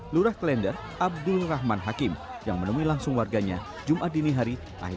lurah klender abdul rahman hakim yang menemui langsung warganya jumat tinihari